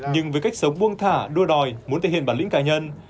nhưng với cách sống buông thả đua đòi muốn thể hiện bản lĩnh cá nhân